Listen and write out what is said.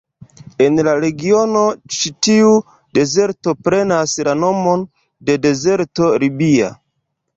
En la regiono, ĉi tiu dezerto prenas la nomon de dezerto Libia.